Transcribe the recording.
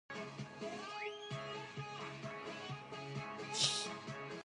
This is obviously a reply to an earlier request.